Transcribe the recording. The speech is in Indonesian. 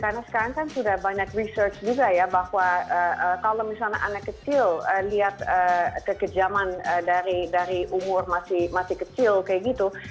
karena sekarang kan sudah banyak research juga ya bahwa kalau misalnya anak kecil lihat kekejaman dari umur masih kecil kayak gitu